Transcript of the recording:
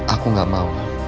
aku gak mau